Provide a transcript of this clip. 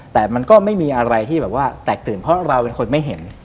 แต่มันก็ไม่มีอะไรที่แบบว่าแตกตื่นเพราะเราเป็นคนไม่เห็น